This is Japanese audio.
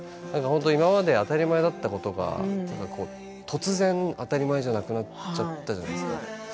本当に今まで当たり前だったことが突然、当たり前じゃなくなっちゃったじゃないですか。